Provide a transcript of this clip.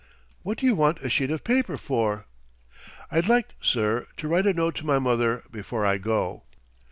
"What do you want a sheet of paper for?" "I'd like, sir, to write a note to my mother before I go."